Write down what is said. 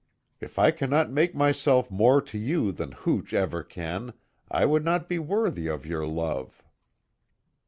If I cannot make myself more to you than hooch ever can, I would not be worthy of your love!"